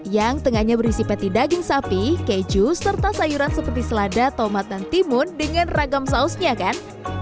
yang tengahnya berisi patty daging sapi keju serta sayuran seperti selada tomat dan timun dengan ragam sausnya kan